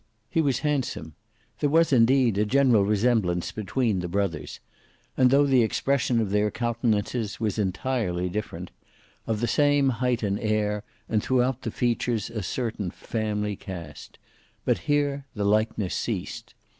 He was handsome; there was indeed a general resemblance between the brothers, though the expression of their countenances was entirely different; of the same height and air, and throughout the features a certain family cast; but here the likeness ceased.